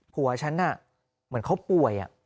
ผัวฉันเหมือนเขาป่วย